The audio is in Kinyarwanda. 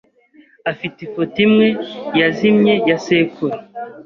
afite ifoto imwe yazimye ya sekuru.